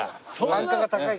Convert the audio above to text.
単価が高いから。